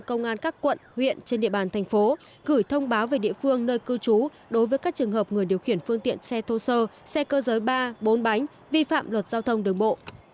công an các quận huyện trên địa bàn thành phố gửi thông báo về địa phương nơi cư trú đối với các trường hợp người điều khiển phương tiện xe thô sơ xe cơ giới ba bốn bánh vi phạm luật giao thông đường bộ